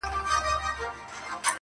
وېره -